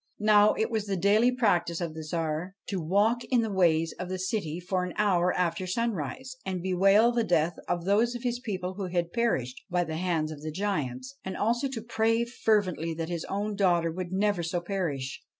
Now it was the daily practice of the Tsar to walk in the ways of the city for an hour after sunrise, and bewail the death of those of his people who had perished by the hands of the giants, and also to pray fervently that his own daughter would never so perish.